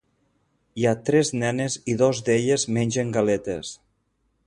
Hi ha tres nenes i dos d'elles mengen galetes.